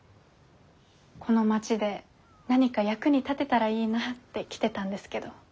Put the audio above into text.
この町で何か役に立てたらいいなって来てたんですけど。